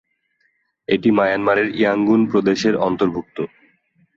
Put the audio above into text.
এটি মায়ানমারের ইয়াঙ্গুন প্রদেশের অন্তর্ভুক্ত।